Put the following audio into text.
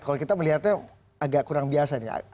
kalau kita melihatnya agak kurang biasa nih